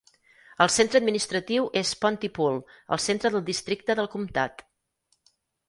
El centre administratiu és Pontypool, al centre del districte del comtat.